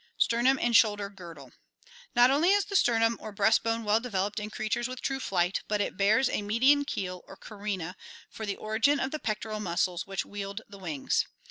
Sternum and Shoulder Girdle. — Not only is the sternum or breast bone well developed in creatures with true flight, but it bears a median keel or carina for the origin of the pectoral muscles which wield the wings.